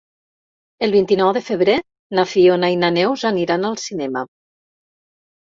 El vint-i-nou de febrer na Fiona i na Neus aniran al cinema.